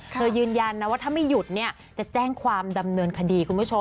ยืนยันนะว่าถ้าไม่หยุดเนี่ยจะแจ้งความดำเนินคดีคุณผู้ชม